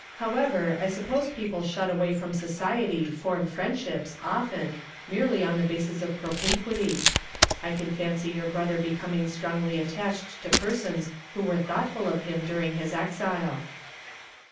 However, I suppose people shut away from society form friendships, often, merely on the basis of propinquity. I can fancy your brother becoming strongly attached to persons who were thoughtful of him during his exile."